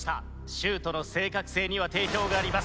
シュートの正確性には定評があります。